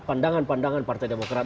pandangan pandangan partai demokrat